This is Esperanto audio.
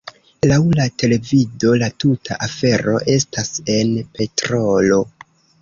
Laŭ la televido la tuta afero estas en petrolo.